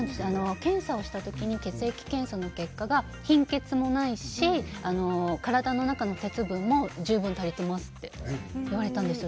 検査をしたときに血液検査の結果が貧血もないし体の中の鉄分も十分とれていますと言われたんですよ。